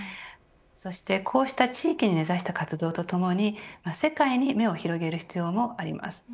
そして、こうした地域に根差した活動とともに世界に目を広げる必要もあります。